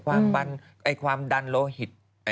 ความปั้นความดันโลหิต